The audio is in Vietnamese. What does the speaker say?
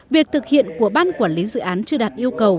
việc thực hiện của ban quản lý dự án chưa đạt yêu cầu